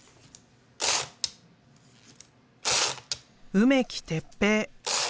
梅木鉄平。